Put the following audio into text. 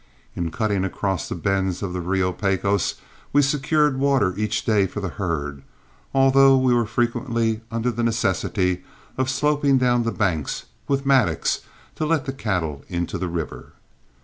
In cutting across the bends of the Rio Pecos we secured water each day for the herd, although we were frequently under the necessity of sloping down the banks with mattocks to let the cattle into the river.